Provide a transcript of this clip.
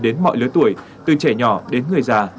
đến mọi lứa tuổi từ trẻ nhỏ đến người già